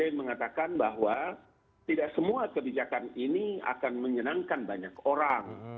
saya mengatakan bahwa tidak semua kebijakan ini akan menyenangkan banyak orang